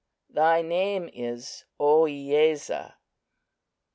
Thy name is Ohivesa."